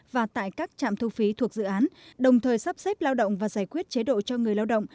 và tại các trạm thu phí thuộc dự án đồng thời sắp xếp lao động và giải quyết chế độ cho người lao động